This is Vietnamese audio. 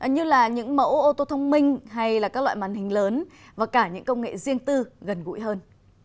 như là những mẫu ô tô thông minh hay là các loại màn hình lớn và cả những công nghệ riêng tư gần gũi hơn